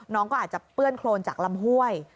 น้องก็อาจจะเปื้อนโครนจากลำห้วย